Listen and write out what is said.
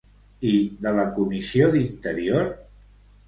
I de la Comissió d'Interior?